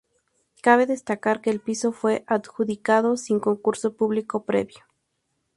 Cabe destacar que el piso fue adjudicado sin concurso público previo.